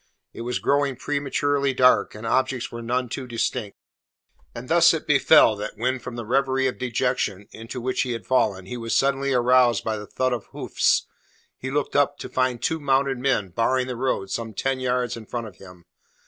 It was growing prematurely dark, and objects were none too distinct. And thus it befell that when from the reverie of dejection into which he had fallen he was suddenly aroused by the thud of hoofs, he looked up to find two mounted men barring the road some ten yards in front of him.